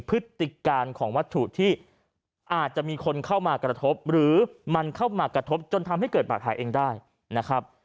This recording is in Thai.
พฤติการของวัตถุที่อาจจะมีคนเข้ามากระทบหรือมันเข้ามากระทบจนทำให้เกิดบาดแผลเองได้นะครับ